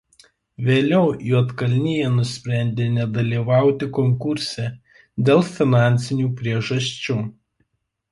Vėliau Juodkalnija nusprendė nedalyvauti konkurse dėl finansinių priežasčių.